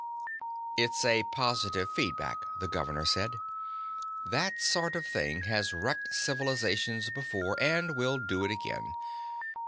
"It's a positive feedback," the governor said. "That sort of thing has wrecked civilizations before and will do it again.